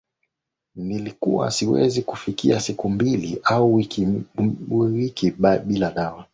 Nilikuwa siwezi kufika siku mbili au wiki bila madawa